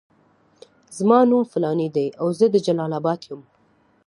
زما نوم فلانی دی او زه د جلال اباد یم.